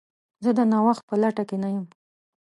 زه د نوښت په لټه کې نه یم.